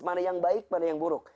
mana yang baik mana yang buruk